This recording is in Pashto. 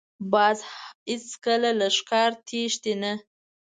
باز هېڅکله له ښکار تښتي نه